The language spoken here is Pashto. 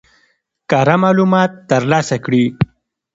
کره معلومات ترلاسه کړي.